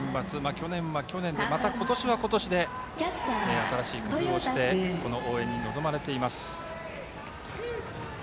去年は去年、今年は今年で新しい工夫をして応援に望まれています。